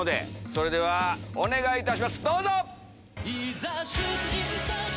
それではお願いいたしますどうぞ！